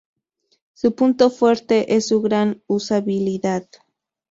Su punto fuerte es su gran usabilidad.